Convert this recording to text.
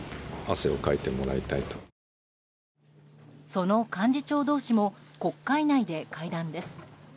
その幹事長同士も国会内で会談です。